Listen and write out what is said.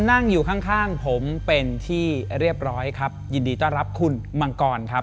นั่งอยู่ข้างข้างผมเป็นที่เรียบร้อยครับยินดีต้อนรับคุณมังกรครับ